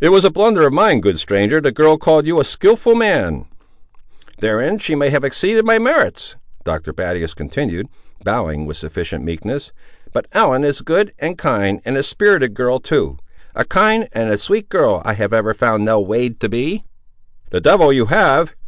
"It was a blunder of mine, good stranger; the girl called you a skilful man." "Therein she may have exceeded my merits," Dr. Battius continued, bowing with sufficient meekness. "But Ellen is a good, and a kind, and a spirited girl, too. A kind and a sweet girl I have ever found Nell Wade to be!" "The devil you have!"